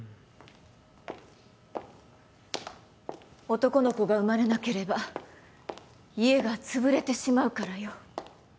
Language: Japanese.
男の子が生まれなければ家がつぶれてしまうからよ。